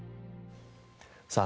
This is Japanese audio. さあ